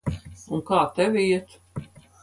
Un kā tev iet?